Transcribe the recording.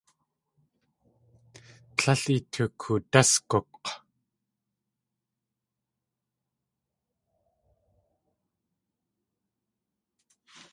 Líl itukoodásguk̲!